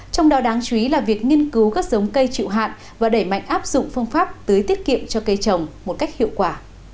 trong đó đáng chú ý là việc nghiên cứu các giống cây chịu hạn và đẩy mạnh áp dụng phương pháp tưới tiết kiệm cho cây trồng một cách hiệu quả